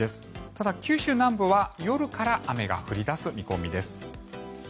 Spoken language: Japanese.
ただ九州南部は夜から雨が降り出す見込みです。